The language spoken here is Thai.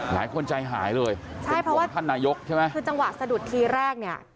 หลายคนใจหายเลยใช่เพราะว่าท่านนายกใช่ไหมคือจังหวะสะดุดทีแรกเนี่ย